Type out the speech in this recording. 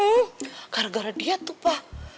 nggak gara gara dia tuh pa